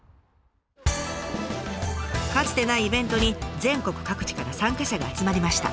かつてないイベントに全国各地から参加者が集まりました。